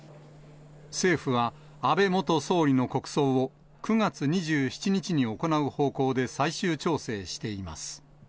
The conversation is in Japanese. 政府は安倍元総理の国葬を９月２７日に行う方向で、最終調整しています。